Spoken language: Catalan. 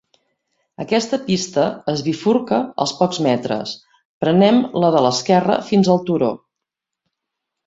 Aquesta pista es bifurca als pocs metres, prenem la de l'esquerra fins al turó.